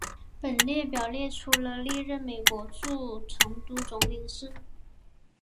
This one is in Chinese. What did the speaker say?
本列表列出了历任美国驻成都总领事。